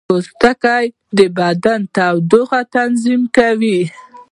پوست د بدن د تودوخې تنظیم کوي.